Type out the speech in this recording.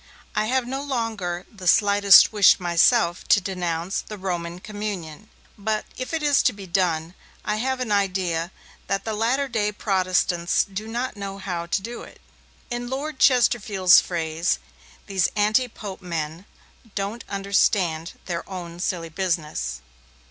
I have no longer the slightest wish myself to denounce the Roman communion, but, if it is to be done, I have an idea that the latter day Protestants do not know how to do it. In Lord Chesterfield's phrase, these anti Pope men 'don't understand their own silly business'.